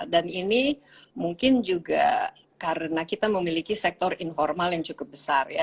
dan ini mungkin juga karena kita memiliki sektor informal yang cukup besar ya